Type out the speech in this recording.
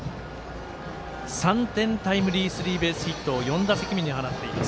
３点タイムリースリーベースヒットを４打席目に放っています